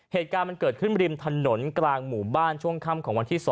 เหตุการณ์มันเกิดขึ้นริมถนนกลางหมู่บ้านช่วงค่ำของวันที่๒